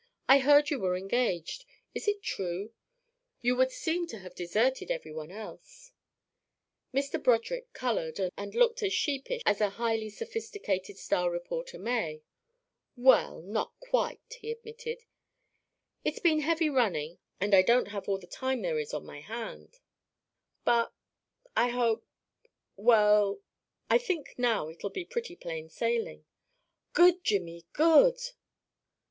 I heard you were engaged. Is it true? You would seem to have deserted every one else." Mr. Broderick coloured and looked as sheepish as a highly sophisticated star reporter may. "Well, not quite," he admitted. "It's been heavy running, and I don't have all the time there is on my hands. But I hope well, I think now it'll be pretty plain sailing " "Good, Jimmy, good!"